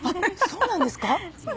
そうなんですか？